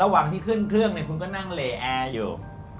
ระหว่างที่ขึ้นเครื่องเนี่ยคุณก็นั่งเละแอร์อยู่